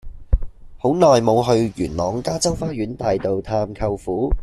好耐無去元朗加州花園大道探舅父